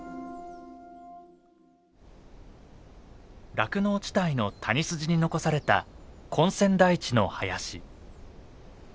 酪農地帯の谷筋に残された根釧台地の林。